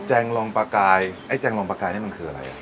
แจงรอนปากายแจงรอนปากายนี่มันคืออะไร